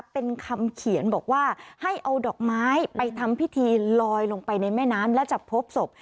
เป็นคำเขียนบอกว่าให้เอาดอกไม้ไปทำพิธีลอยลงไปในแม่น้ำและจะพบศพ